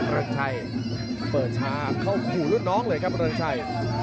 รักชัยเปิดช้าเข้าขู่รุ่นน้องเลยครับเริงชัย